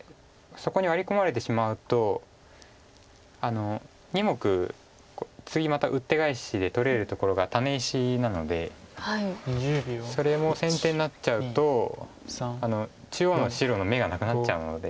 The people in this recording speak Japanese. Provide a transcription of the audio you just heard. そこにワリ込まれてしまうと２目次またウッテガエシで取れるところがタネ石なのでそれも先手になっちゃうと中央の白の眼がなくなっちゃうので。